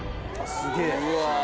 すげえ。